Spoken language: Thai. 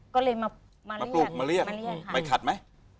ก็เลยมาเรียกมาเรียกมาเรียกค่ะ